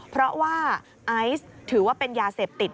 เพราะว่าไอซ์ถือว่าเป็นยาเสพติด